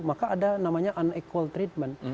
maka ada namanya unequal treatment